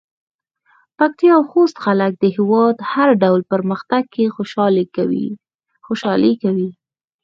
پکتيا او خوست خلک د هېواد په هر ډول پرمختګ کې خوشحالي کوي.